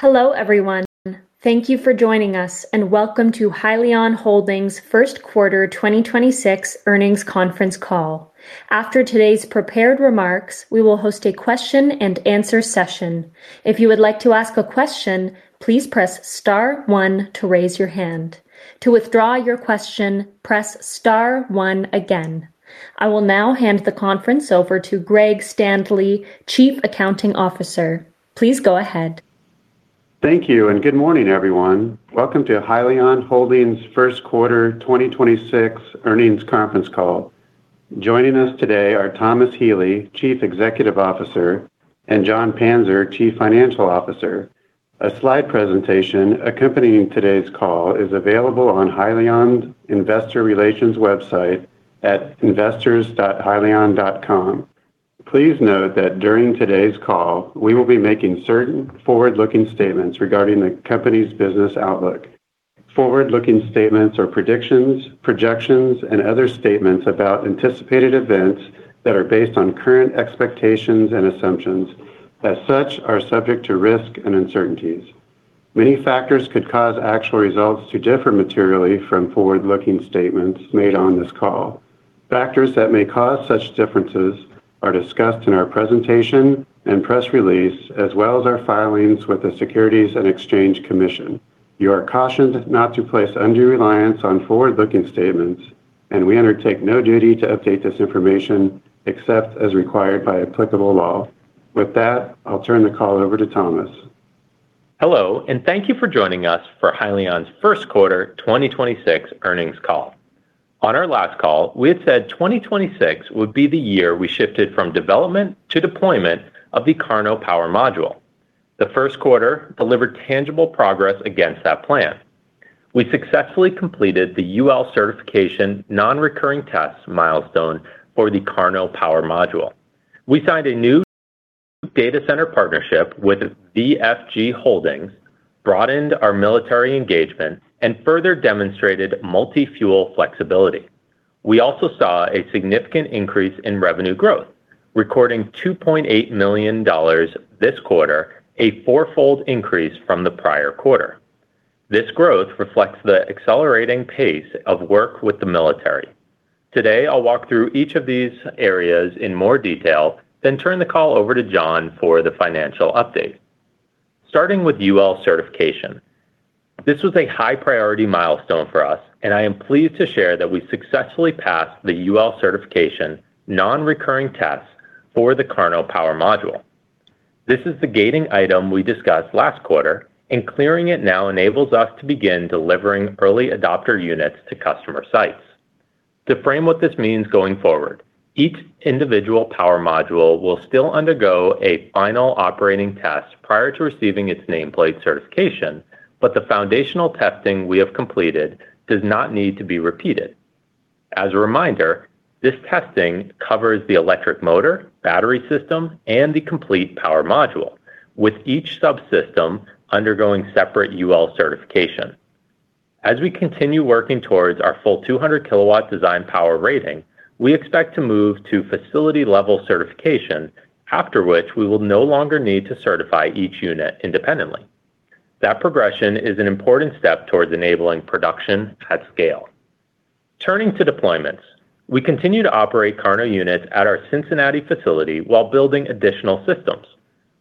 Hello everyone. Thank you for joining us, and welcome to Hyliion Holdings' first quarter 2026 earnings conference call. After todays prepared remarks, we will host a question and answer session. If you would like to ask a question please press star one to raise your hand. To withdraw your question, press star one again. I will now hand the conference over to Greg Standley, Chief Accounting Officer. Please go ahead. Thank you and good morning everyone. Welcome to Hyliion Holdings' first quarter 2026 earnings conference call. Joining us today are Thomas Healy, Chief Executive Officer, and Jon Panzer, Chief Financial Officer. A slide presentation accompanying todays call is available on Hyliion's investor relations website at investors.hyliion.com. Please note that during todays call, we will be making certain forward-looking statements regarding the company's business outlook. Forward-looking statements are predictions, projections, and other statements about anticipated events that are based on current expectations and assumptions that, such, are subject to risk and uncertainties. Many factors could cause actual results to differ materially from forward-looking statements made on this call. Factors that may cause such differences are discussed in our presentation and press release, as well as our filings with the Securities and Exchange Commission. You are cautioned not to place undue reliance on forward-looking statements, and we undertake no duty to update this information except as required by applicable law. With that, I'll turn the call over to Thomas. Hello and thank you for joining us for Hyliion's first quarter 2026 earnings call. On our last call, we had said 2026 would be the year we shifted from development to deployment of the KARNO Power Module. The first quarter delivered tangible progress against that plan. We successfully completed the UL certification non-recurring test milestone for the KARNO Power Module. We signed a new data center partnership with VFG Holdings, broadened our military engagement, and further demonstrated multi-fuel flexibility. We also saw a significant increase in revenue growth, recording $2.8 million this quarter, a fourfold increase from the prior quarter. This growth reflects the accelerating pace of work with the military. Today, I'll walk through each of these areas in more detail, then turn the call over to Jon for the financial update. Starting with UL certification. This was a high-priority milestone for us, and I am pleased to share that we successfully passed the UL certification non-recurring test for the KARNO Power Module. This is the gating item we discussed last quarter, and clearing it now enables us to begin delivering early adopter units to customer sites. To frame what this means going forward, each individual Power Module will still undergo a final operating test prior to receiving its nameplate certification, but the foundational testing we have completed does not need to be repeated. As a reminder, this testing covers the electric motor, battery system, and the complete Power Module, with each subsystem undergoing separate UL certification. As we continue working towards our full 200 kW design power rating, we expect to move to facility-level certification, after which we will no longer need to certify each unit independently. That progression is an important step towards enabling production at scale. Turning to deployments, we continue to operate KARNO units at our Cincinnati facility while building additional systems.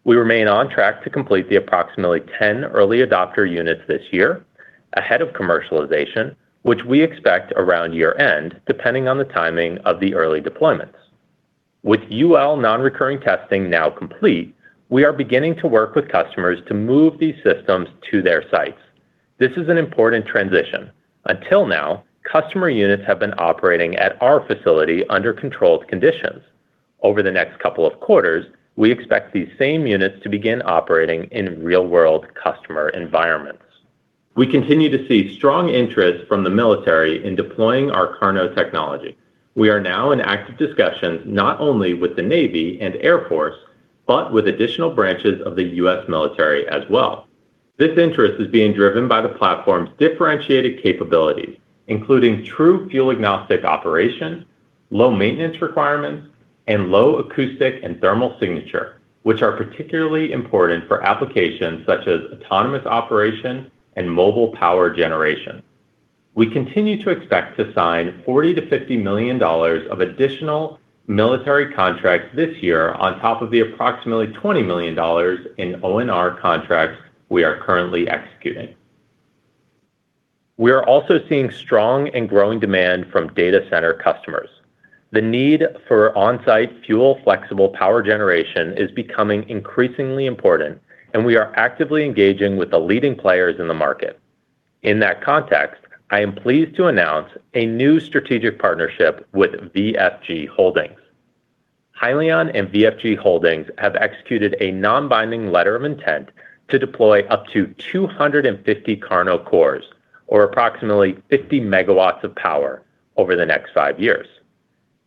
We remain on track to complete the approximately 10 early adopter units this year, ahead of commercialization, which we expect around year-end, depending on the timing of the early deployments. With UL non-recurring testing now complete, we are beginning to work with customers to move these systems to their sites. This is an important transition. Until now, customer units have been operating at our facility under controlled conditions. Over the next couple of quarters, we expect these same units to begin operating in real-world customer environments. We continue to see strong interest from the military in deploying our KARNO technology. We are now in active discussions not only with the Navy and Air Force, but with additional branches of the U.S. military as well. This interest is being driven by the platform's differentiated capabilities, including true fuel-agnostic operation, low maintenance requirements, and low acoustic and thermal signature, which are particularly important for applications such as autonomous operation and mobile power generation. We continue to expect to sign $40 million-$50 million of additional military contracts this year on top of the approximately $20 million in ONR contracts we are currently executing. We are also seeing strong and growing demand from data center customers. The need for on-site fuel-flexible power generation is becoming increasingly important. We are actively engaging with the leading players in the market. In that context, I am pleased to announce a new strategic partnership with VFG Holdings. Hyliion and VFG Holdings have executed a non-binding letter of intent to deploy up to 250 KARNO cores, or approximately 50 MW of power, over the next five years.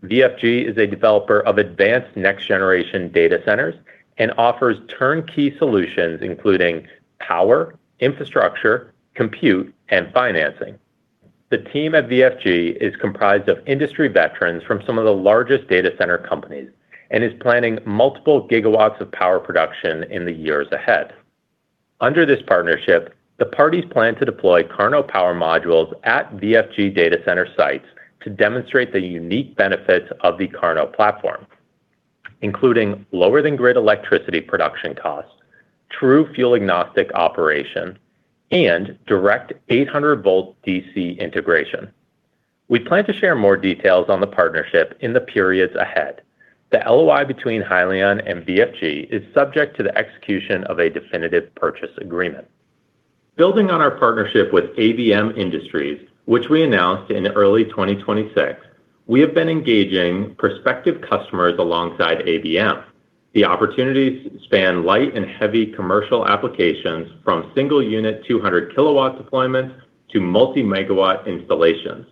VFG is a developer of advanced next-generation data centers and offers turnkey solutions including power, infrastructure, compute, and financing. The team at VFG is comprised of industry veterans from some of the largest data center companies and is planning multiple gigawatts of power production in the years ahead. Under this partnership, the parties plan to deploy KARNO Power Modules at VFG data center sites to demonstrate the unique benefits of the KARNO platform, including lower than grid electricity production costs, true fuel agnostic operation, and direct 800 volt DC integration. We plan to share more details on the partnership in the periods ahead. The LOI between Hyliion and VFG is subject to the execution of a definitive purchase agreement. Building on our partnership with ABM Industries, which we announced in early 2026, we have been engaging prospective customers alongside ABM. The opportunities span light and heavy commercial applications from single unit 200 kW deployments to multi-MW installations.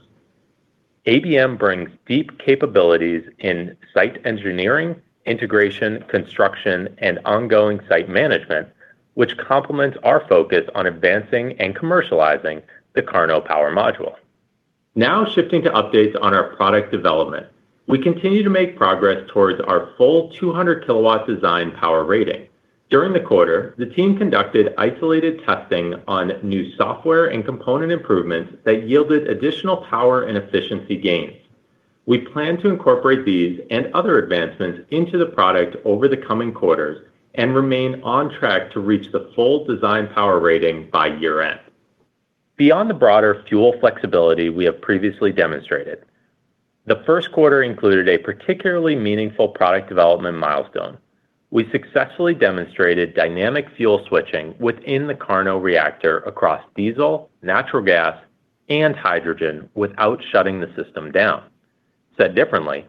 ABM brings deep capabilities in site engineering, integration, construction, and ongoing site management, which complements our focus on advancing and commercializing the KARNO Power Module. Now shifting to updates on our product development. We continue to make progress towards our full 200 kW design power rating. During the quarter, the team conducted isolated testing on new software and component improvements that yielded additional power and efficiency gains. We plan to incorporate these and other advancements into the product over the coming quarters and remain on track to reach the full design power rating by year end. Beyond the broader fuel flexibility we have previously demonstrated, the first quarter included a particularly meaningful product development milestone. We successfully demonstrated dynamic fuel switching within the KARNO reactor across diesel, natural gas, and hydrogen without shutting the system down. Said differently,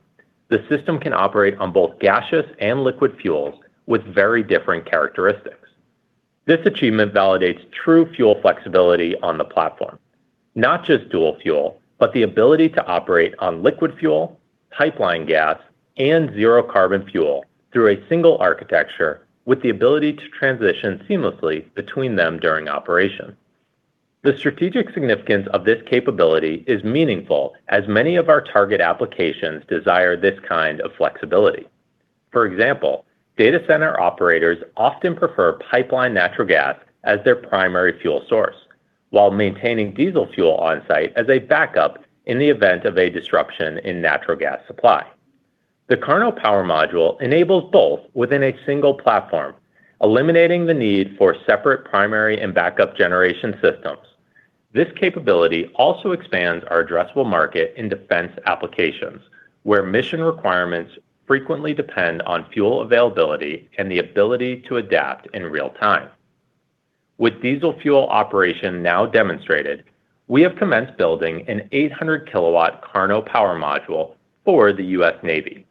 the system can operate on both gaseous and liquid fuels with very different characteristics. This achievement validates true fuel flexibility on the platform, not just dual fuel, but the ability to operate on liquid fuel, pipeline gas, and zero carbon fuel through a single architecture with the ability to transition seamlessly between them during operation. The strategic significance of this capability is meaningful as many of our target applications desire this kind of flexibility. For example, data center operators often prefer pipeline natural gas as their primary fuel source while maintaining diesel fuel on site as a backup in the event of a disruption in natural gas supply. The KARNO Power Module enables both within a single platform, eliminating the need for separate primary and backup generation systems. This capability also expands our addressable market in defense applications, where mission requirements frequently depend on fuel availability and the ability to adapt in real time. With diesel fuel operation now demonstrated, we have commenced building an 800 kW KARNO Power Module for the U.S. Navy.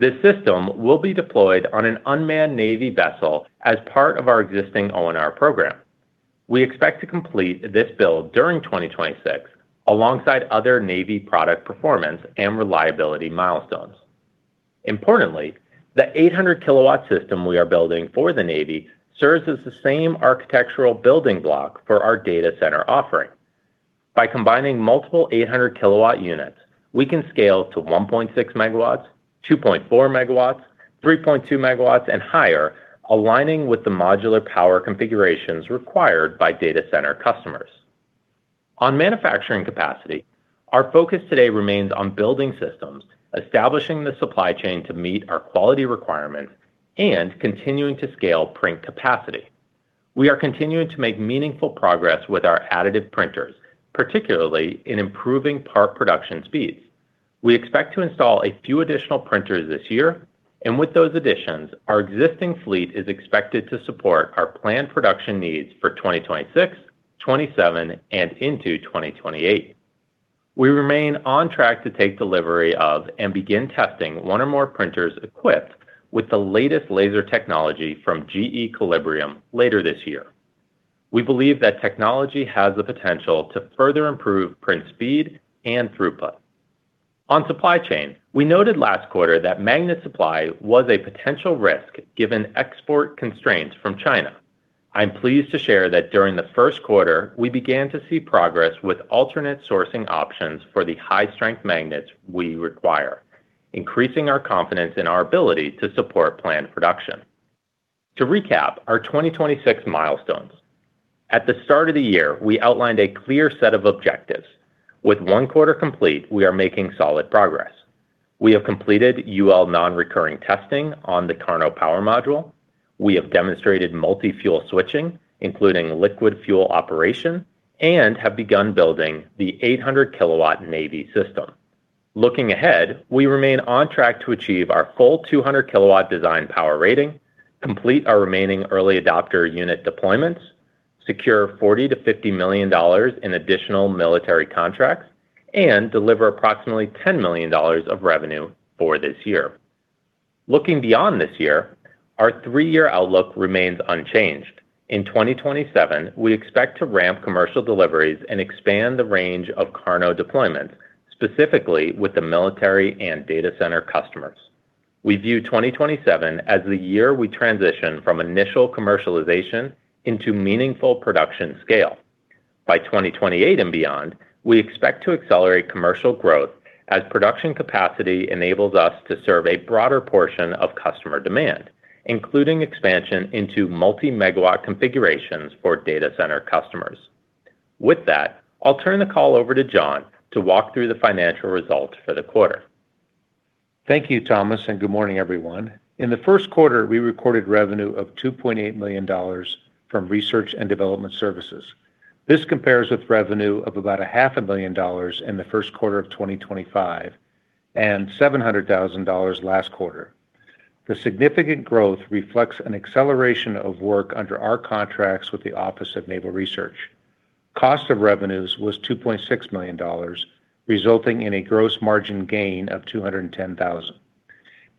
This system will be deployed on an unmanned Navy vessel as part of our existing ONR program. We expect to complete this build during 2026 alongside other Navy product performance and reliability milestones. Importantly, the 800 kW system we are building for the Navy serves as the same architectural building block for our data center offering. By combining multiple 800 kW units, we can scale to 1.6 MW, 2.4 MW, 3.2 MW and higher, aligning with the modular power configurations required by data center customers. On manufacturing capacity, our focus today remains on building systems, establishing the supply chain to meet our quality requirements, and continuing to scale print capacity. We are continuing to make meaningful progress with our additive printers, particularly in improving part production speeds. We expect to install a few additional printers this year, and with those additions, our existing fleet is expected to support our planned production needs for 2026, 2027, and into 2028. We remain on track to take delivery of and begin testing ONE or more printers equipped with the latest laser technology from GE Colibrium later this year. We believe that technology has the potential to further improve print speed and throughput. On supply chain, we noted last quarter that magnet supply was a potential risk given export constraints from China. I'm pleased to share that during the 1st quarter, we began to see progress with alternate sourcing options for the high strength magnets we require, increasing our confidence in our ability to support planned production. To recap our 2026 milestones, at the start of the year, we outlined a clear set of objectives. With onequarter complete, we are making solid progress. We have completed UL non-recurring testing on the KARNO Power Module. We have demonstrated multi-fuel switching, including liquid fuel operation, and have begun building the 800 kW Navy system. Looking ahead, we remain on track to achieve our full 200 kW design power rating, complete our remaining early adopter unit deployments, secure $40 million-$50 million in additional military contracts, and deliver approximately $10 million of revenue for this year. Looking beyond this year, our 3-year outlook remains unchanged. In 2027, we expect to ramp commercial deliveries and expand the range of KARNO deployments, specifically with the military and data center customers. We view 2027 as the year we transition from initial commercialization into meaningful production scale. By 2028 and beyond, we expect to accelerate commercial growth as production capacity enables us to serve a broader portion of customer demand, including expansion into multi-MW configurations for data center customers. With that, I'll turn the call over to Jon to walk through the financial results for the quarter. Thank you Thomas, and good morning everyone. In the first quarter, we recorded revenue of $2.8 million from research and development services. This compares with revenue of about a half a million dollars in the first quarter of 2025 and $700,000 last quarter. The significant growth reflects an acceleration of work under our contracts with the Office of Naval Research. Cost of revenues was $2.6 million, resulting in a gross margin gain of $210,000.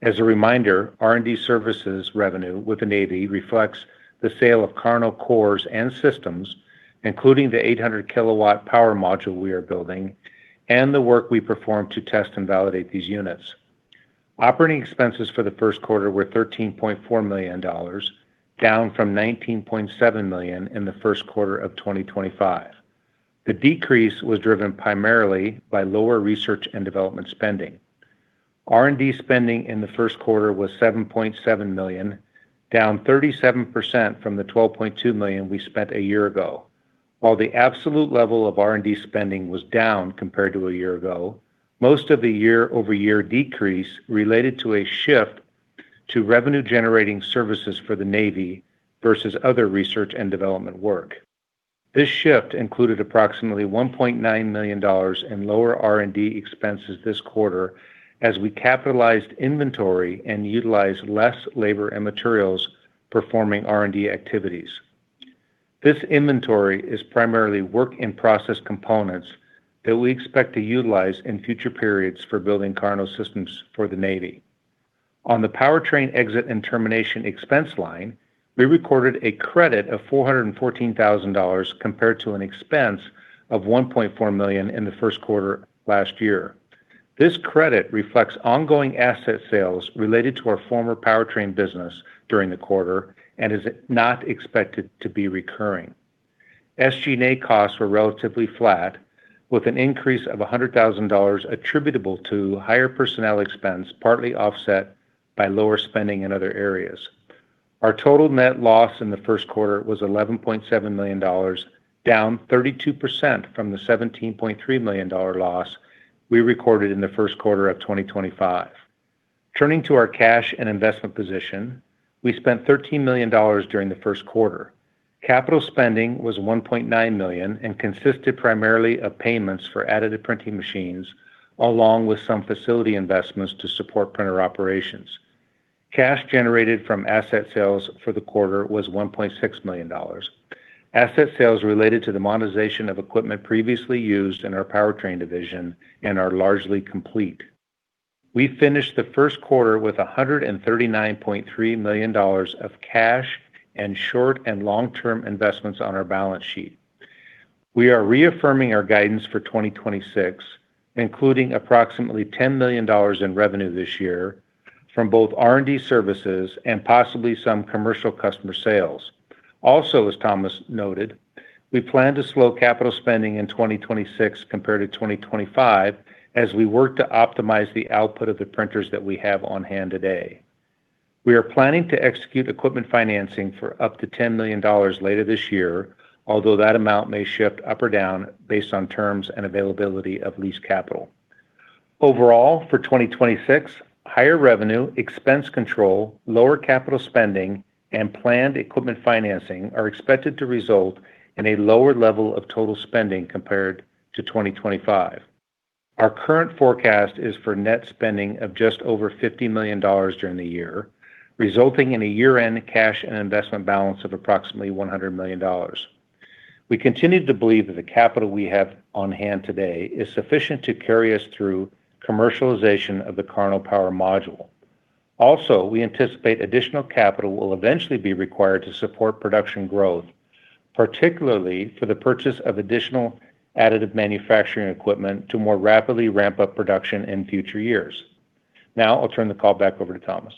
As a reminder, R&D services revenue with the Navy reflects the sale of KARNO cores and systems, including the 800 kW power module we are building and the work we perform to test and validate these units. Operating expenses for the first quarter were $13.4 million, down from $19.7 million in the first quarter of 2025. The decrease was driven primarily by lower research and development spending. R&D spending in the first quarter was $7.7 million, down 37% from the $12.2 million we spent a year ago. While the absolute level of R&D spending was down compared to a year ago, most of the year-over-year decrease related to a shift to revenue-generating services for the Navy versus other research and development work. This shift included approximately $1.9 million in lower R&D expenses this quarter as we capitalized inventory and utilized less labor and materials performing R&D activities. This inventory is primarily work-in-process components that we expect to utilize in future periods for building KARNO systems for the Navy. On the powertrain exit and termination expense line, we recorded a credit of $414,000 compared to an expense of $1.4 million in the first quarter last year. This credit reflects ongoing asset sales related to our former powertrain business during the quarter and is not expected to be recurring. SG&A costs were relatively flat, with an increase of $100,000 attributable to higher personnel expense, partly offset by lower spending in other areas. Our total net loss in the first quarter was $11.7 million, down 32% from the $17.3 million loss we recorded in the first quarter of 2025. Turning to our cash and investment position, we spent $13 million during the first quarter. Capital spending was $1.9 million and consisted primarily of payments for additive printing machines, along with some facility investments to support printer operations. Cash generated from asset sales for the quarter was $1.6 million. Asset sales related to the monetization of equipment previously used in our powertrain division and are largely complete. We finished the first quarter with $139.3 million of cash and short and long-term investments on our balance sheet. We are reaffirming our guidance for 2026, including approximately $10 million in revenue this year from both R&D services and possibly some commercial customer sales. As Thomas noted, we plan to slow capital spending in 2026 compared to 2025 as we work to optimize the output of the printers that we have on hand today. We are planning to execute equipment financing for up to $10 million later this year, although that amount may shift up or down based on terms and availability of lease capital. Overall, for 2026, higher revenue, expense control, lower capital spending, and planned equipment financing are expected to result in a lower level of total spending compared to 2025. Our current forecast is for net spending of just over $50 million during the year, resulting in a year-end cash and investment balance of approximately $100 million. We continue to believe that the capital we have on hand today is sufficient to carry us through commercialization of the KARNO Power Module. We anticipate additional capital will eventually be required to support production growth, particularly for the purchase of additional additive manufacturing equipment to more rapidly ramp up production in future years. Now, I'll turn the call back over to Thomas.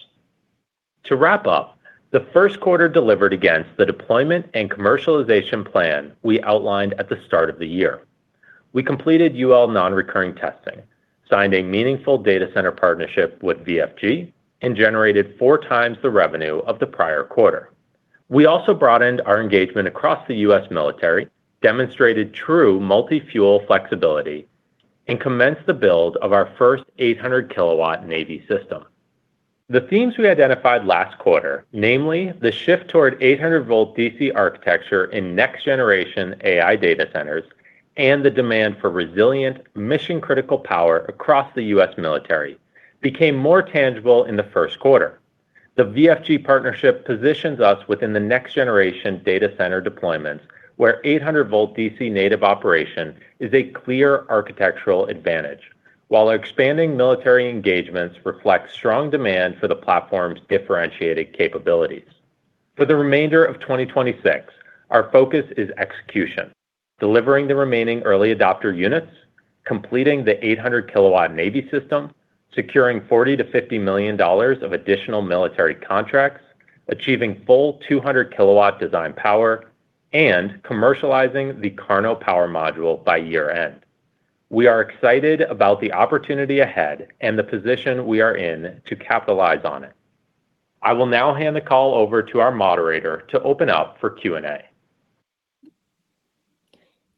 To wrap up, the first quarter delivered against the deployment and commercialization plan we outlined at the start of the year. We completed UL non-recurring testing, signed a meaningful data center partnership with VFG, and generated 4x the revenue of the prior quarter. We also broadened our engagement across the U.S. military, demonstrated true multi-fuel flexibility, and commenced the build of our first 800 kW U.S. Navy system. The themes we identified last quarter, namely the shift toward 800 volt DC architecture in next-generation AI data centers and the demand for resilient, mission-critical power across the U.S. military, became more tangible in the first quarter. The VFG partnership positions us within the next-generation data center deployments, where 800 volt DC native operation is a clear architectural advantage. While our expanding military engagements reflect strong demand for the platform's differentiated capabilities. For the remainder of 2026, our focus is execution, delivering the remaining early adopter units, completing the 800 kW Navy system, securing $40 million-$50 million of additional military contracts, achieving full 200 kW design power, and commercializing the KARNO Power Module by year-end. We are excited about the opportunity ahead and the position we are in to capitalize on it. I will now hand the call over to our moderator to open up for Q&A.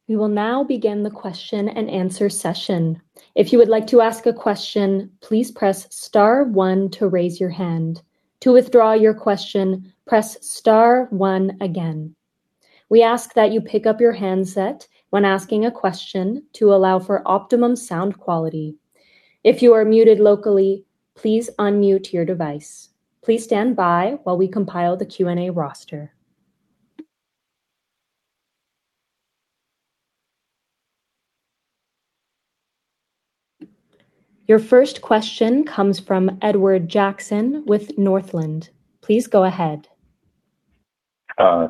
We will now begin the question-and-answer session. If you would like to ask a question, please press star one to raise your hand. To withdraw your question, press star one again. We ask that you pick up your handset when asking a question to allow for optimum sound quality. If you are muted locally, please unmute your device. Please stand by while we compile the Q&A roster. Your first question comes from Edward Jackson with Northland. Please go ahead.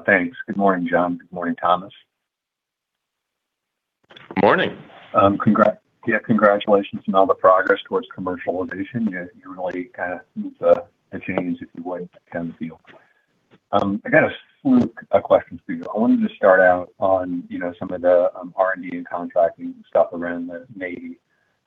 Thanks. Good morning, Jon. Good morning, Thomas. Morning. Yeah, congratulations on all the progress towards commercialization. You really kind of moved the change, if you would, in the field. I got a slew of questions for you. I wanted to start out on, you know, some of the R&D and contracting stuff around the Navy.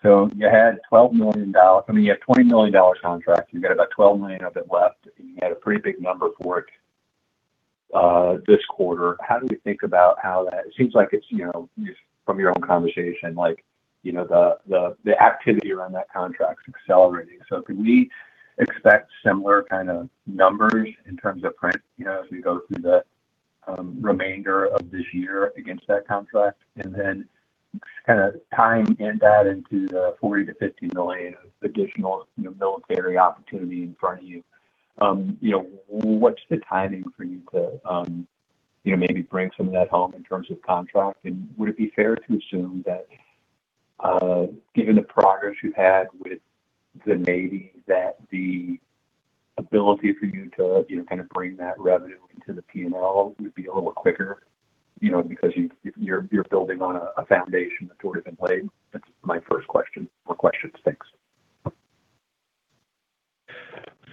You had $12 million I mean, you had a $20 million contract, you got about $12 million of it left, and you had a pretty big number for it this quarter. How do we think about how that? It seems like it's, you know, from your own conversation, like, you know, the activity around that contract's accelerating. Can we expect similar kind of numbers in terms of print, you know, as we go through the remainder of this year against that contract? Just kind of tying in that into the $40 million-$50 million of additional, you know, military opportunity in front of you know, what's the timing for you to, you know, maybe bring some of that home in terms of contract? Would it be fair to assume that, given the progress you've had with the Navy, that the ability for you to, you know, kind of bring that revenue into the P&L would be a little quicker, you know, because you're building on a foundation that's already been laid? That's my first question. More questions. Thanks.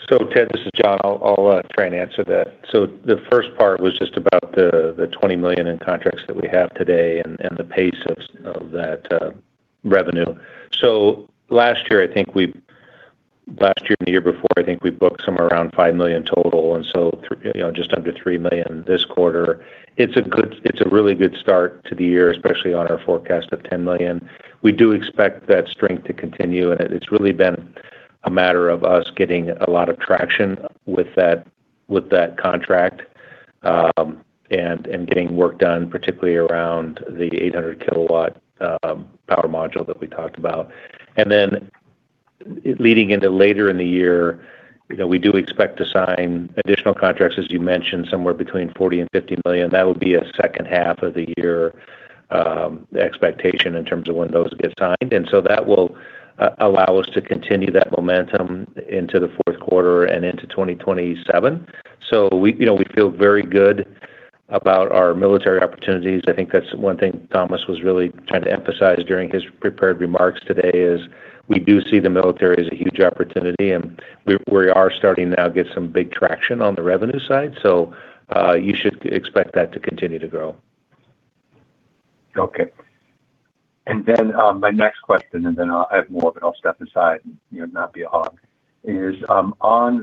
Ted Jackson, this is Jon Panzer. I'll try and answer that. The first part was just about the $20 million in contracts that we have today and the pace of that revenue. Last year and the year before, I think we booked somewhere around $5 million total, and you know, just under $3 million this quarter. It's a really good start to the year, especially on our forecast of $10 million. We do expect that strength to continue, and it's really been a matter of us getting a lot of traction with that contract and getting work done, particularly around the 800 kW KARNO Power Module that we talked about. Leading into later in the year, you know, we do expect to sign additional contracts, as you mentioned, somewhere between $40 million and $50 million. That would be a second half of the year expectation in terms of when those get signed. That will allow us to continue that momentum into the fourth quarter and into 2027. We, you know, we feel very good about our military opportunities. I think that's one thing Thomas was really trying to emphasize during his prepared remarks today is we do see the military as a huge opportunity, and we are starting now to get some big traction on the revenue side. You should expect that to continue to grow. Okay. My next question and then I have more, but I'll step aside and, you know, not be a hog, is on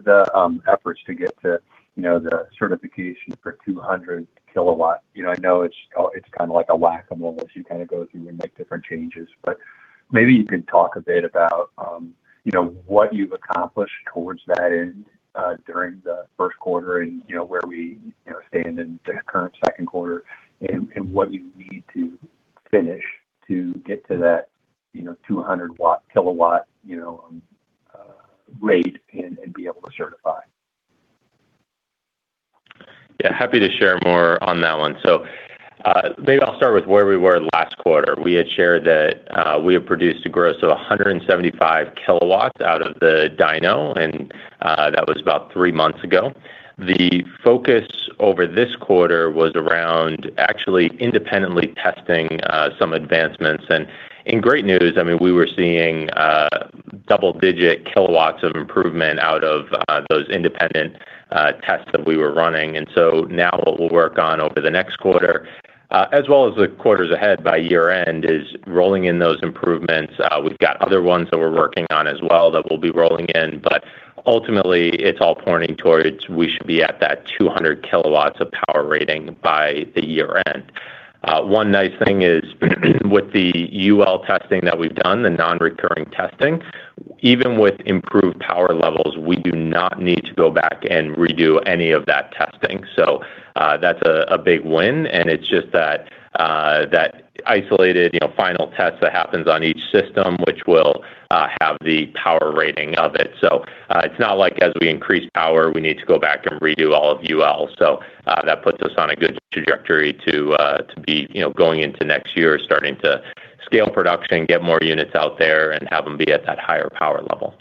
the efforts to get the, you know, the certification for 200 kW. You know, I know it's kind of like a whack-a-mole as you kind of go through and make different changes. Maybe you can talk a bit about, you know, what you've accomplished towards that end, during the first quarter and, you know, where we, you know, stand in the current second quarter and what you need to finish to get to that, you know, 200 kW, you know, rate and be able to certify. Yeah, happy to share more on that one. Maybe I'll start with where we were last quarter. We had shared that we have produced a gross of 175 kW out of the dyno, and that was about three months ago. The focus over this quarter was around actually independently testing some advancements. In great news, I mean, we were seeing double-digit kW of improvement out of those independent tests that we were running. Now what we'll work on over the next quarter, as well as the quarters ahead by year-end, is rolling in those improvements. We've got other ones that we're working on as well that we'll be rolling in, but ultimately, it's all pointing towards we should be at that 200 kW of power rating by the year-end. One nice thing is with the UL testing that we've done, the non-recurring testing, even with improved power levels, we do not need to go back and redo any of that testing. That's a big win, and it's just that isolated, you know, final test that happens on each system, which will have the power rating of it. It's not like as we increase power, we need to go back and redo all of UL. That puts us on a good trajectory to be, you know, going into next year starting to scale production, get more units out there, and have them be at that higher power level.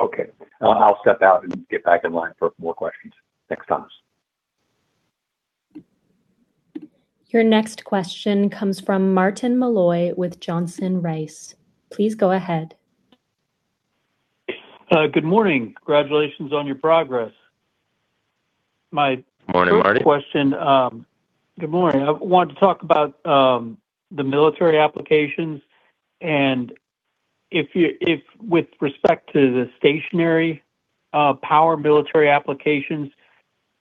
Okay. I'll step out and get back in line for more questions next time. Your next question comes from Martin Malloy with Johnson Rice. Please go ahead. good morning. Congratulations on your progress. Morning, Martin. first question, Good morning. I want to talk about the military applications if with respect to the stationary power military applications,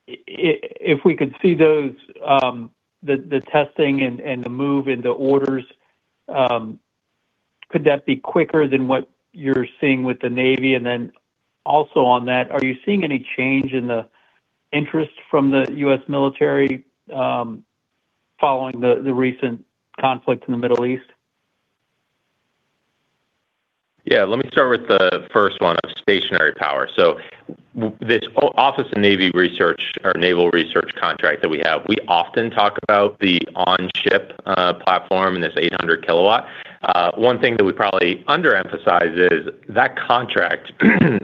if we could see those the testing and the move in the orders, could that be quicker than what you're seeing with the Navy? Also on that, are you seeing any change in the interest from the U.S. military following the recent conflict in the Middle East? Yeah. Let me start with the first one of stationary power. This Office of Naval Research contract that we have, we often talk about the on-ship platform and this 800 kW. One thing that we probably under-emphasize is that contract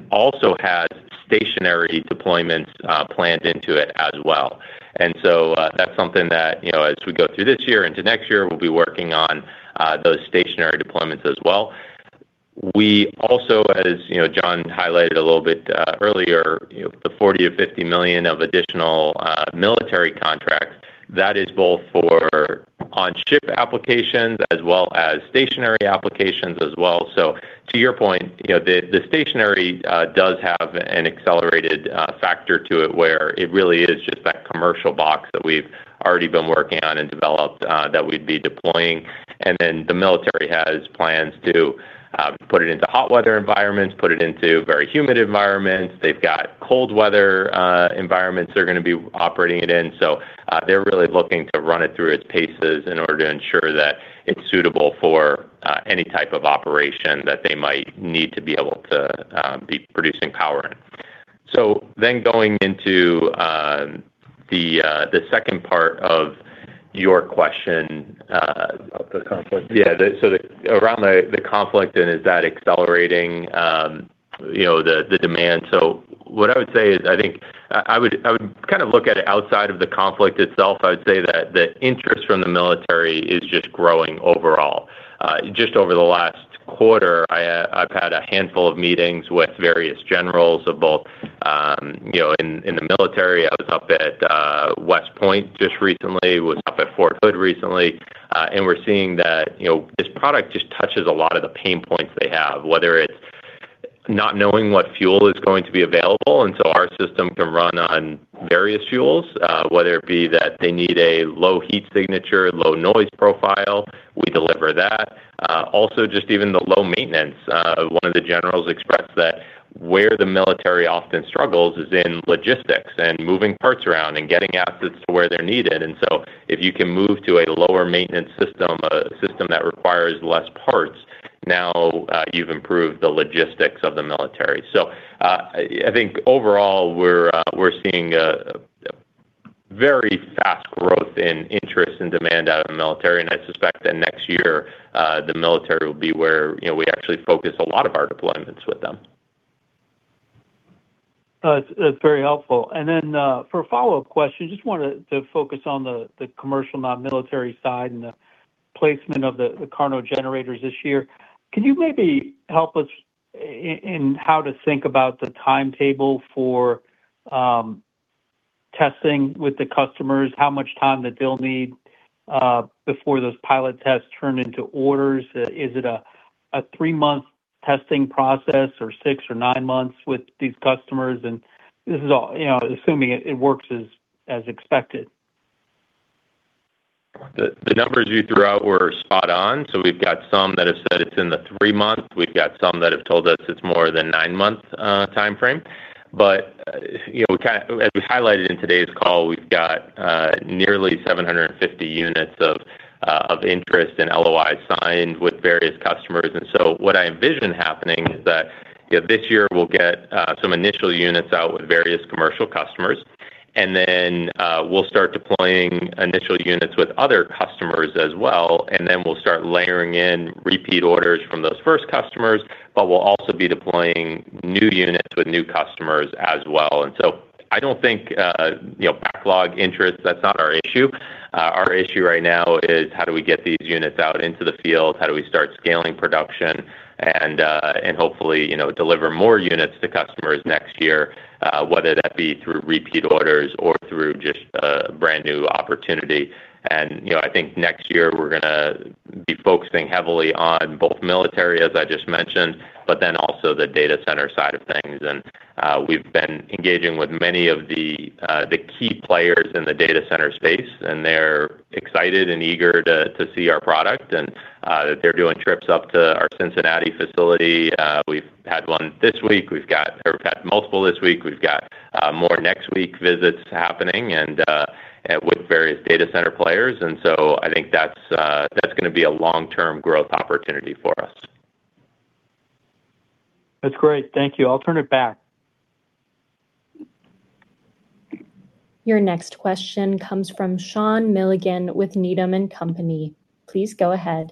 also has stationary deployments planned into it as well. That's something that, you know, as we go through this year into next year, we'll be working on those stationary deployments as well. We also, as, you know, Jon highlighted a little bit earlier, you know, the $40 million-$50 million of additional military contracts, that is both for on-ship applications as well as stationary applications as well. To your point, you know, the stationary, does have an accelerated factor to it where it really is just that commercial box that we've already been working on and developed that we'd be deploying. The military has plans to put it into hot weather environments, put it into very humid environments. They've got cold weather environments they're gonna be operating it in. They're really looking to run it through its paces in order to ensure that it's suitable for any type of operation that they might need to be able to be producing power in. Going into, the second part of your question, About the conflict. Yeah. Around the conflict and is that accelerating, you know, the demand. What I would say is, I would kind of look at it outside of the conflict itself. I would say that the interest from the military is just growing overall. Just over the last quarter, I've had a handful of meetings with various generals of both, you know, in the military. I was up at West Point just recently, was up at Fort Hood recently, and we're seeing that, you know, this product just touches a lot of the pain points they have, whether it's not knowing what fuel is going to be available, and so our system can run on various fuels. Whether it be that they need a low heat signature, low noise profile, we deliver that. Also just even the low maintenance. One of the generals expressed that where the military often struggles is in logistics and moving parts around and getting assets to where they're needed. If you can move to a lower maintenance system, a system that requires less parts, now, you've improved the logistics of the military. I think overall we're seeing a very fast growth in interest and demand out of the military, and I suspect that next year, the military will be where, you know, we actually focus a lot of our deployments with them. That's very helpful. Then, for a follow-up question, just wanted to focus on the commercial, non-military side and the placement of the KARNO generators this year. Can you maybe help us in how to think about the timetable for testing with the customers? How much time that they'll need before those pilot tests turn into orders? Is it a three-month testing process or six or nine months with these customers? This is all, you know, assuming it works as expected. The numbers you threw out were spot on. We've got some that have said it's in the 3-month. We've got some that have told us it's more than 9-month timeframe. You know, as we highlighted in todays call, we've got nearly 750 units of interest and LOIs signed with various customers. What I envision happening is that, you know, this year we'll get some initial units out with various commercial customers, and then we'll start deploying initial units with other customers as well, and then we'll start layering in repeat orders from those first customers, but we'll also be deploying new units with new customers as well. I don't think, you know, backlog interest, that's not our issue. Our issue right now is how do we get these units out into the field? How do we start scaling production and hopefully, you know, deliver more units to customers next year, whether that be through repeat orders or through just brand-new opportunity. You know, I think next year we're gonna be focusing heavily on both military, as I just mentioned, also the data center side of things. We've been engaging with many of the key players in the data center space, they're excited and eager to see our product, they're doing trips up to our Cincinnati facility. We've had one this week. We've had multiple this week. We've got more next week visits happening with various data center players. I think that's gonna be a long-term growth opportunity for us. That's great. Thank you. I'll turn it back. Your next question comes from Sean Milligan with Needham & Company. Please go ahead.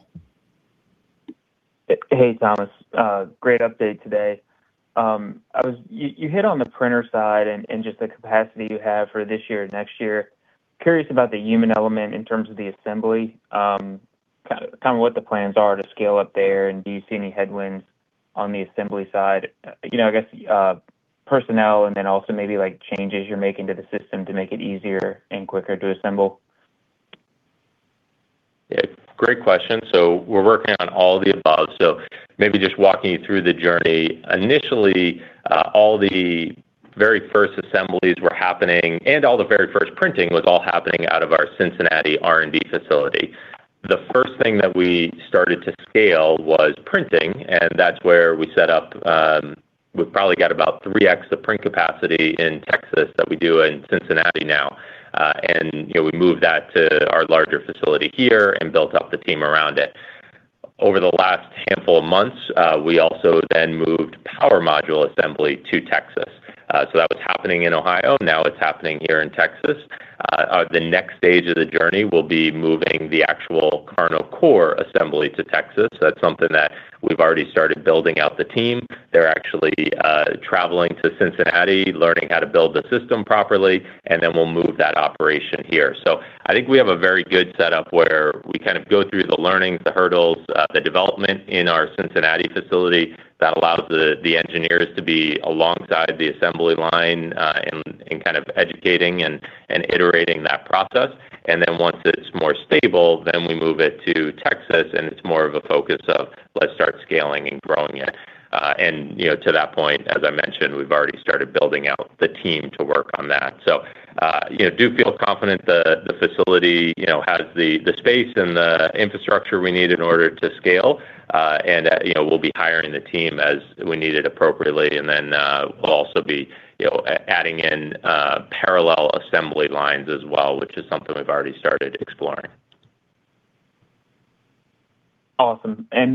Hey Thomas. Great update today. You hit on the printer side and just the capacity you have for this year and next year. Curious about the human element in terms of the assembly, kind of what the plans are to scale up there, and do you see any headwinds on the assembly side? You know, I guess, personnel and then also maybe, like, changes you're making to the system to make it easier and quicker to assemble. Yeah, great question. We're working on all of the above. Maybe just walking you through the journey. Initially, all the very first assemblies were happening and all the very first printing was all happening out of our Cincinnati R&D facility. The first thing that we started to scale was printing, and that's where we set up, we've probably got about 3x of print capacity in Texas that we do in Cincinnati now. You know, we moved that to our larger facility here and built up the team around it. Over the last handful of months, we also then moved Power Module assembly to Texas. That was happening in Ohio, now it's happening here in Texas. The next stage of the journey will be moving the actual KARNO Core assembly to Texas. That's something that we've already started building out the team. They're actually traveling to Cincinnati, learning how to build the system properly, and then we'll move that operation here. I think we have a very good setup where we kind of go through the learnings, the hurdles, the development in our Cincinnati facility that allows the engineers to be alongside the assembly line and kind of educating and iterating that process. Once it's more stable, then we move it to Texas, and it's more of a focus of, let's start scaling and growing it. You know, to that point, as I mentioned, we've already started building out the team to work on that. You know, do feel confident the facility, you know, has the space and the infrastructure we need in order to scale, and, you know, we'll also be adding in parallel assembly lines as well, which is something we've already started exploring. Awesome. On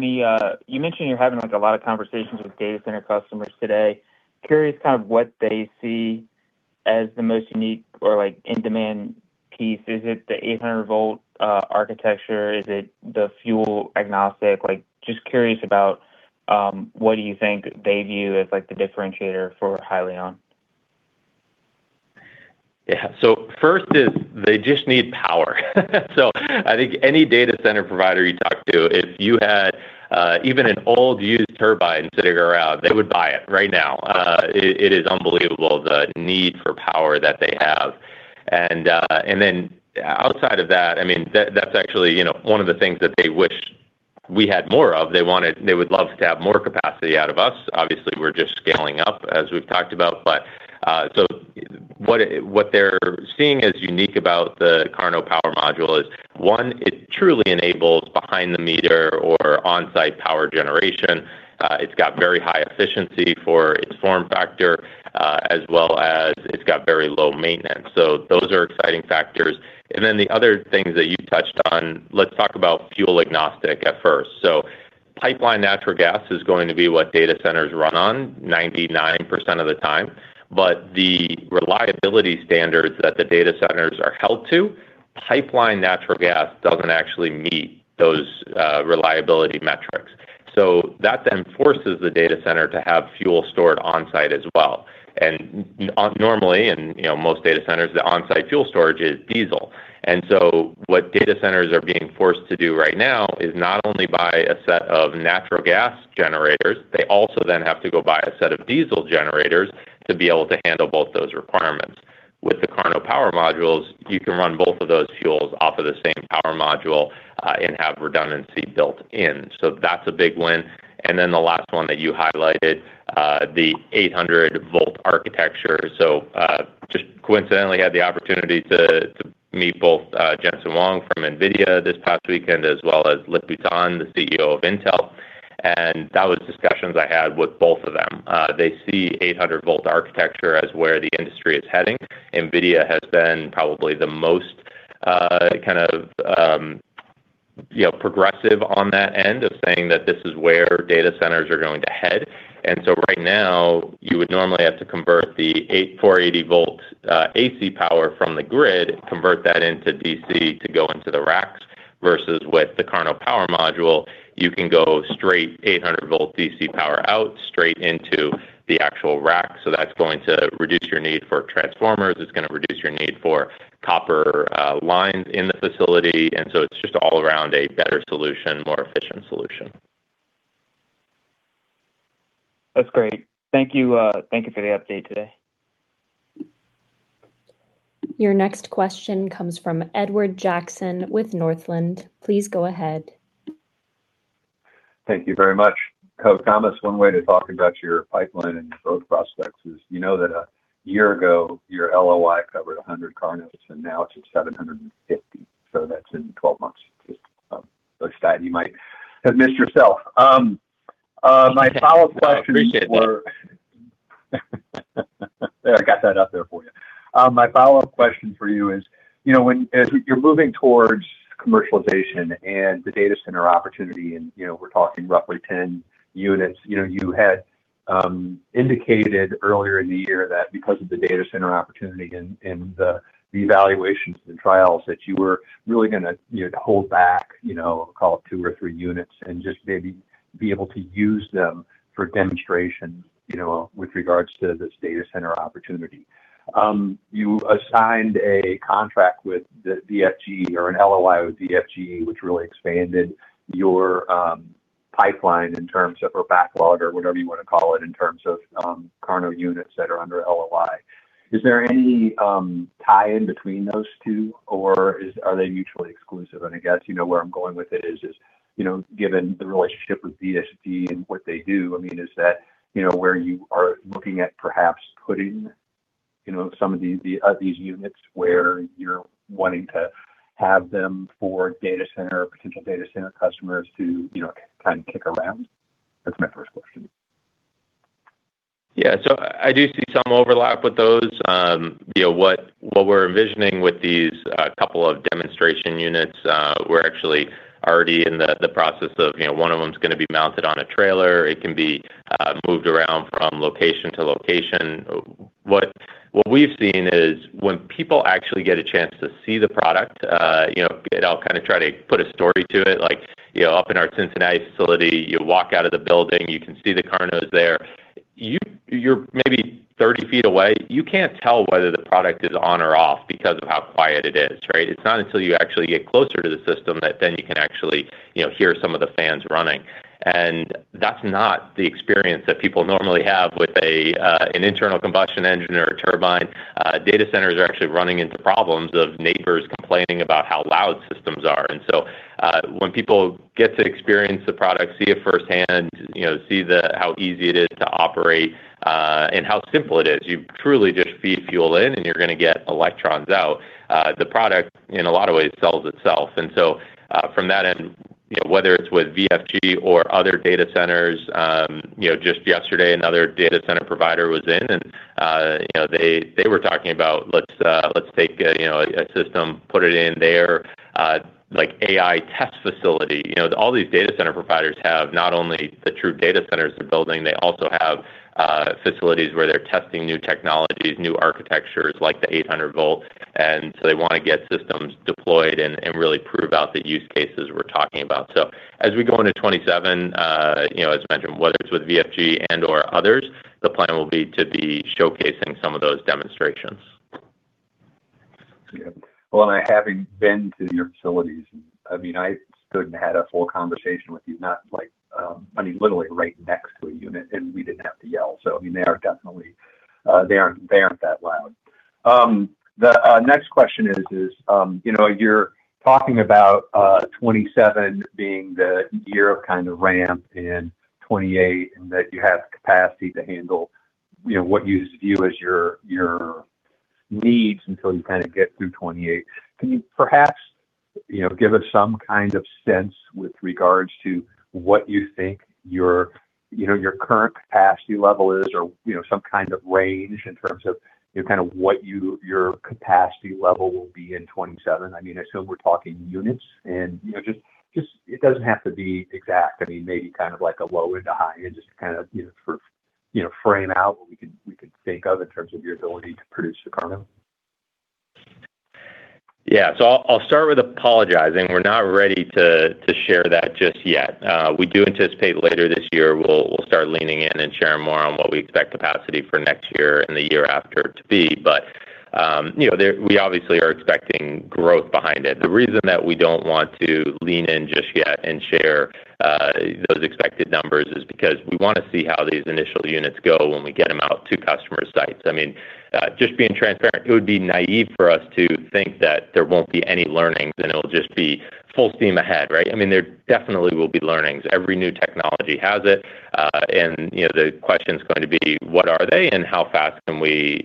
the, you mentioned you're having, like, a lot of conversations with data center customers today. Curious kind of what they see as the most unique or, like, in-demand piece. Is it the 800 volt architecture? Is it the fuel agnostic? Just curious about what do you think they view as, like, the differentiator for Hyliion. First is they just need power. I think any data center provider you talk to, if you had even an old used turbine sitting around, they would buy it right now. It is unbelievable the need for power that they have. Outside of that, I mean, that's actually, you know, one of the things that they wish we had more of. They would love to have more capacity out of us. Obviously, we're just scaling up as we've talked about. What they're seeing as unique about the KARNO Power Module is, one, it truly enables behind the meter or on-site power generation. It's got very high efficiency for its form factor, as well as it's got very low maintenance. Those are exciting factors. The other things that you touched on, let's talk about fuel agnostic at first. Pipeline natural gas is going to be what data centers run on 99% of the time. The reliability standards that the data centers are held to, pipeline natural gas doesn't actually meet those reliability metrics. That then forces the data center to have fuel stored on-site as well. Normally in, you know, most data centers, the on-site fuel storage is diesel. What data centers are being forced to do right now is not only buy a set of natural gas generators, they also then have to go buy a set of diesel generators to be able to handle both those requirements. With the KARNO power modules, you can run both of those fuels off of the same power module and have redundancy built in. That's a big win. The last one that you highlighted, the 800 volt architecture. Just coincidentally had the opportunity to meet both Jensen Huang from NVIDIA this past weekend, as well as Lip-Bu Tan, the CEO of Intel. That was discussions I had with both of them. They see 800 volt architecture as where the industry is heading. NVIDIA has been probably the most, kind of, you know, progressive on that end of saying that this is where data centers are going to head. Right now, you would normally have to convert the 480 volt AC power from the grid, convert that into DC to go into the racks. Versus with the KARNO Power Module, you can go straight 800 volt DC power out, straight into the actual rack. That's going to reduce your need for transformers. It's gonna reduce your need for copper lines in the facility. It's just all around a better solution, more efficient solution. That's great. Thank you. Thank you for the update today. Your next question comes from Edward Jackson with Northland. Please go ahead. Thank you very much. Thomas, one way to talk about your pipeline and growth prospects is, you know that a year ago, your LOI covered 100 KARNOs, and now it's at 750. That's in 12 months. Just a stat you might have missed yourself. My follow-up questions. There, I got that up there for you. My follow-up question for you is, you know, as you're moving towards commercialization and the data center opportunity, and, you know, we're talking roughly 10 units. You know, you had indicated earlier in the year that because of the data center opportunity and the evaluations and trials, that you were really gonna, you know, hold back, you know, call it 2 or 3 units and just maybe be able to use them for demonstrations, you know, with regards to this data center opportunity. You assigned a contract with the VFG or an LOI with VFG, which really expanded your pipeline in terms of, or backlog or whatever you wanna call it, in terms of KARNO units that are under LOI. Is there any tie-in between those two, or are they mutually exclusive? I guess you know where I'm going with it is, you know, given the relationship with VFG and what they do, I mean, is that, you know, where you are looking at perhaps putting, you know, some of these units where you're wanting to have them for data center, potential data center customers to, you know, kind of kick around? That's my first question. Yeah. I do see some overlap with those. You know, what we're envisioning with these couple of demonstration units, we're actually already in the process of, you know, one of them is gonna be mounted on a trailer. It can be moved around from location to location. What we've seen is when people actually get a chance to see the product, you know, and I'll kind of try to put a story to it. Like, you know, up in our Cincinnati facility, you walk out of the building, you can see the KARNOs there. You're maybe 30 ft away. You can't tell whether the product is on or off because of how quiet it is, right? It's not until you actually get closer to the system that then you can actually, you know, hear some of the fans running. That's not the experience that people normally have with an internal combustion engine or a turbine. Data centers are actually running into problems of neighbors complaining about how loud systems are. When people get to experience the product, see it firsthand, you know, see the, how easy it is to operate, and how simple it is, you truly just feed fuel in, and you're gonna get electrons out. The product, in a lot of ways, sells itself. From that end, you know, whether it's with VFG or other data centers, you know, just yesterday, another data center provider was in and, you know, they were talking about, let's take a, you know, a system, put it in their, like AI test facility. You know, all these data center providers have not only the true data centers they're building, they also have facilities where they're testing new technologies, new architectures like the 800 volt. They wanna get systems deployed and really prove out the use cases we're talking about. As we go into 2027, you know, as mentioned, whether it's with VFG and/or others, the plan will be to be showcasing some of those demonstrations. Yeah. Well, having been to your facilities, I mean, I stood and had a full conversation with you, not like, I mean, literally right next to a unit, and we didn't have to yell. I mean, they are definitely, they aren't that loud. The next question is, you know, you're talking about 2027 being the year of kind of ramp and 2028, and that you have capacity to handle, you know, what you view as your needs until you kind of get through 2028. Can you perhaps, you know, give us some kind of sense with regards to what you think your, you know, your current capacity level is or, you know, some kind of range in terms of, you know, what your capacity level will be in 2027? I mean, I assume we're talking units and, you know, just it doesn't have to be exact. I mean, maybe kind of like a low and a high and just to kind of, you know, for, you know, frame out what we could think of in terms of your ability to produce the KARNO. I'll start with apologizing. We're not ready to share that just yet. We do anticipate later this year we'll start leaning in and sharing more on what we expect capacity for next year and the year after to be. You know, we obviously are expecting growth behind it. The reason that we don't want to lean in just yet and share those expected numbers is because we wanna see how these initial units go when we get them out to customer sites. I mean, just being transparent, it would be naive for us to think that there won't be any learnings, and it'll just be full steam ahead, right? I mean, there definitely will be learnings. Every new technology has it. You know, the question's going to be, what are they and how fast can we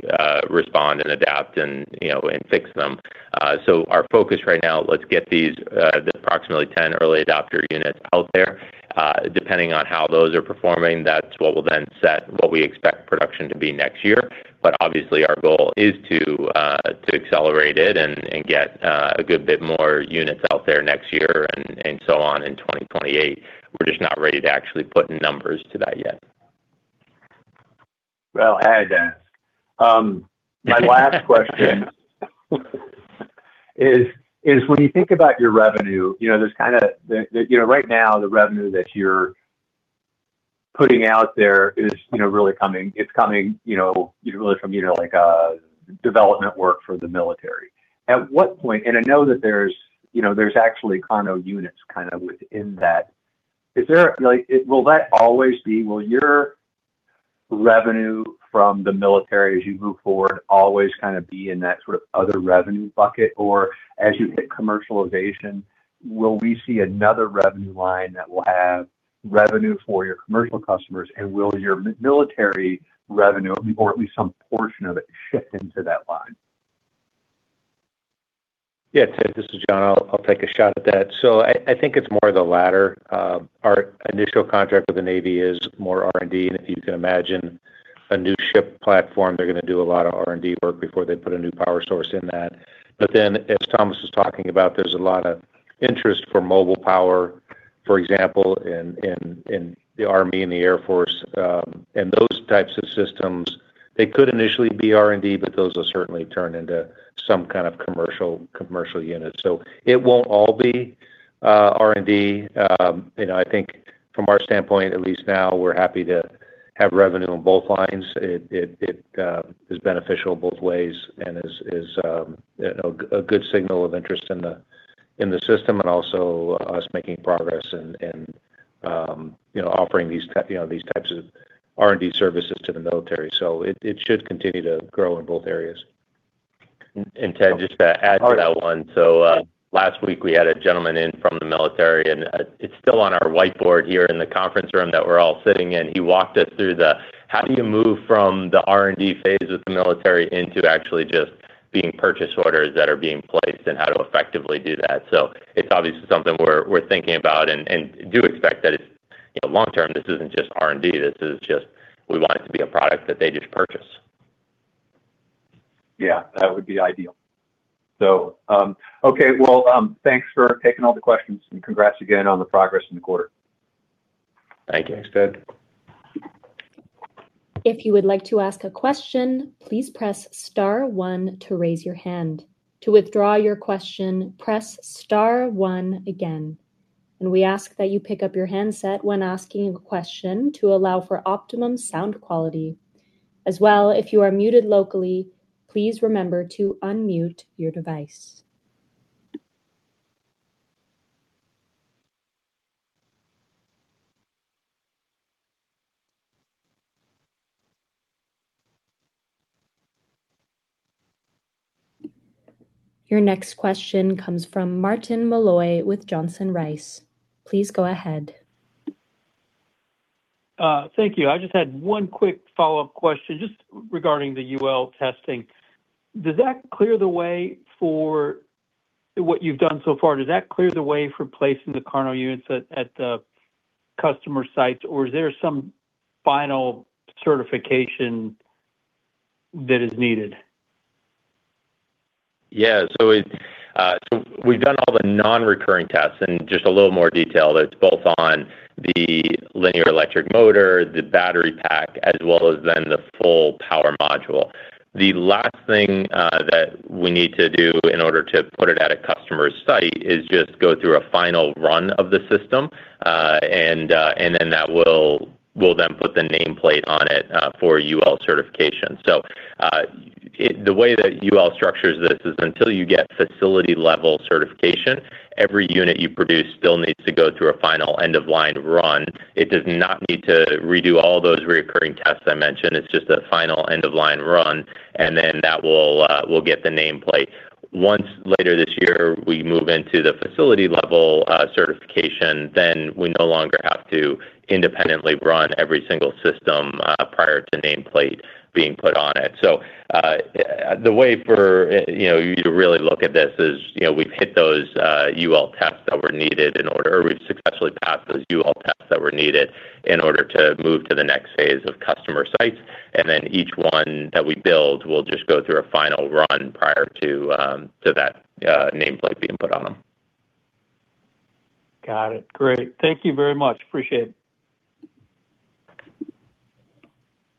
respond and adapt and, you know, and fix them? Our focus right now, let's get these the approximately 10 early adopter units out there. Depending on how those are performing, that's what will then set what we expect production to be next year. Obviously, our goal is to accelerate it and get a good bit more units out there next year and so on in 2028. We're just not ready to actually put numbers to that yet. Well, I had to ask. My last question: When you think about your revenue, you know, there's kind of the, you know, right now the revenue that you're putting out there is, you know, really coming, it's coming, you know, really from, you know, like, development work for the military. At what point. I know that there's, you know, there's actually KARNO units kind of within that. Will your revenue from the military as you move forward always kind of be in that sort of other revenue bucket? As you hit commercialization, will we see another revenue line that will have revenue for your commercial customers? Will your military revenue, or at least some portion of it, shift into that line? Yeah, Edward, this is Jon. I'll take a shot at that. I think it's more the latter. Our initial contract with the U.S. Navy is more R&D, and if you can imagine a new ship platform, they're going to do a lot of R&D work before they put a new power source in that. As Thomas Healy was talking about, there's a lot of interest for mobile power, for example, in the United States Army and the U.S. Air Force. Those types of systems, they could initially be R&D, but those will certainly turn into some kind of commercial unit. It won't all be R&D. You know, I think from our standpoint, at least now, we're happy to have revenue on both lines. It is beneficial both ways and is, you know, a good signal of interest in the system, and also us making progress and, you know, offering these types of R&D services to the military. It should continue to grow in both areas. Edward, just to add to that one. Last week we had a gentleman in from the military, and it's still on our whiteboard here in the conference room that we're all sitting in. He walked us through the how do you move from the R&D phase with the military into actually just being purchase orders that are being placed and how to effectively do that. It's obviously something we're thinking about and do expect that it's, you know, long-term, this isn't just R&D. This is just we want it to be a product that they just purchase. Yeah, that would be ideal. Okay. Thanks for taking all the questions, and congrats again on the progress in the quarter. Thank you. Thanks Ted. If you would like to ask a question please press star one to raise your hand. To withdraw your question press star one again. We ask that you pick your handset when asking your question to allow for optimum sound quality. As well, if you are muted locally please remember to unmute your device. Your next question comes from Martin Malloy with Johnson Rice. Please go ahead. Thank you. I just had one quick follow-up question just regarding the UL testing. Does that clear the way for placing the KARNO units at the customer sites, or is there some final certification that is needed? We've done all the non-recurring tests in just a little more detail. It's both on the linear electric motor, the battery pack, as well as then the full power module. The last thing that we need to do in order to put it at a customer's site is just go through a final run of the system, and then that will then put the nameplate on it for UL certification. The way that UL structures this is until you get facility-level certification, every unit you produce still needs to go through a final end-of-line run. It does not need to redo all those recurring tests I mentioned. It's just a final end-of-line run, that will get the nameplate. Once later this year we move into the facility-level certification, then we no longer have to independently run every single system prior to nameplate being put on it. The way for, you know, you to really look at this is, you know, we've successfully passed those UL tests that were needed in order to move to the next phase of customer sites. Each one that we build will just go through a final run prior to that nameplate being put on them. Got it. Great. Thank you very much. Appreciate it.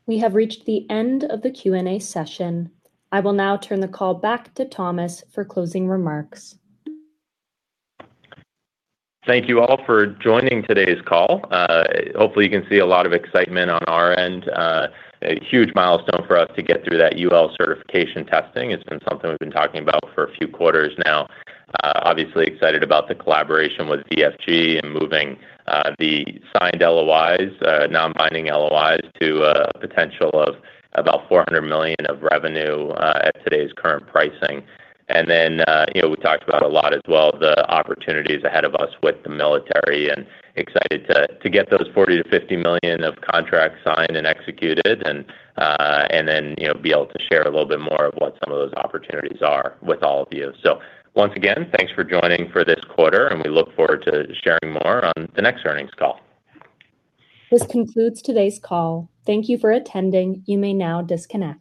We have reached the end of the Q&A session. I will now turn the call back to Thomas for closing remarks. Thank you all for joining todays call. Hopefully you can see a lot of excitement on our end. A huge milestone for us to get through that UL certification testing. It's been something we've been talking about for a few quarters now. Obviously excited about the collaboration with VFG and moving the signed LOIs, non-binding LOIs to a potential of about $400 million of revenue at todays current pricing. You know, we talked about a lot as well the opportunities ahead of us with the military and excited to get those $40 million-$50 million of contracts signed and executed and then, you know, be able to share a little bit more of what some of those opportunities are with all of you. Once again, thanks for joining for this quarter, and we look forward to sharing more on the next earnings call. This concludes todays call. Thank you for attending. You may now disconnect.